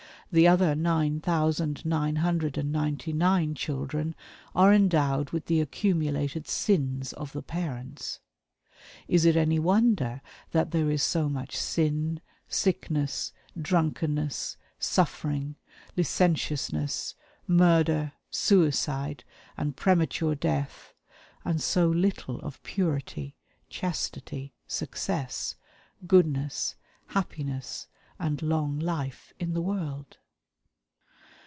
The other nine thousand, nine hundred, and ninety nine children are endowed with the accumulated sins of the parents. Is it any wonder that there is so much sin, sickness, drunkenness, suffering, licentiousness, murder, suicide, and premature death, and so little of purity, chastity, success, goodness, happiness and long life in the world?"